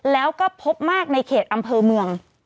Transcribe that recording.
แล้วก็พบมากในเขตอำเภอเมือง